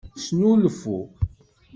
Snulfu.